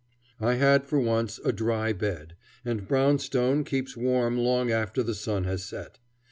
I had for once a dry bed, and brownstone keeps warm long after the sun has set.